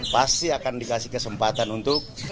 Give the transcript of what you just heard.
pasti akan dikasih kesempatan untuk